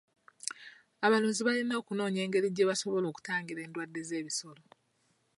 Abalunzi balina okunoonya engeri gye basobola okutangiramu endwadde z'ebisolo.